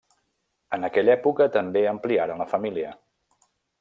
En aquella època també ampliaren la família.